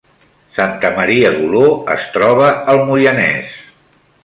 Santa Maria d’Oló es troba al Moianès